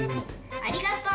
ありがとー。